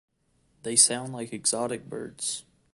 They sound like exotic birds.